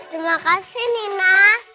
terima kasih nina